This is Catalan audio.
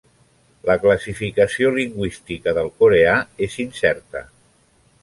La classificació lingüística del coreà és incerta.